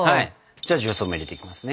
じゃあ重曹も入れていきますね。